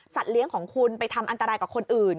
เลี้ยงของคุณไปทำอันตรายกับคนอื่น